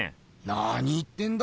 なに言ってんだ？